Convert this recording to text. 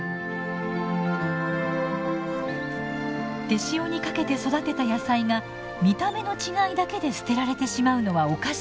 手塩にかけて育てた野菜が見た目の違いだけで捨てられてしまうのはおかしい。